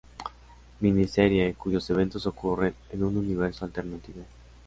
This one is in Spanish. Mini-serie cuyos eventos ocurren en un universo alternativo.